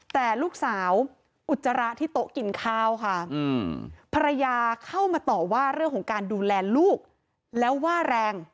แต่ลูกสาวอุจจาระที่โต๊ะกินข้าวค่ะภรรยาเข้ามาต่อว่าเรื่องของการดูแลลูกแล้วว่าแรง